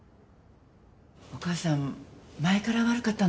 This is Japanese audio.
お母さん前から悪かったの？